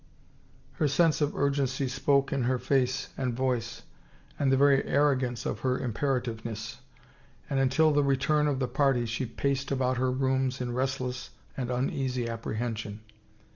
Her sense of urgency spoke in her face and voice, and the very arrogance of her imperativeness. And until the return of the party she paced about her rooms in rest less and uneasy apprehension.